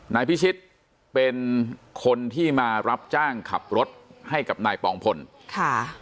นายพิชิตเป็นคนที่มารับจ้างขับรถให้กับนายปองพลค่ะ